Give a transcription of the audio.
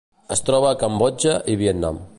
Es troba a Cambodja i Vietnam.